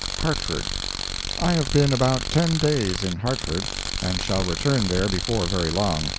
HARTFORD I have been about ten days in Hartford, and shall return there before very long.